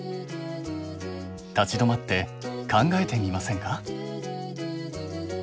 立ち止まって考えてみませんか？